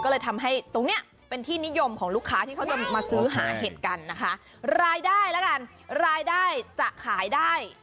รายได้ละกันรายได้จะขายได้